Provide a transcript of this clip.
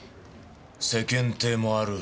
世間体もある。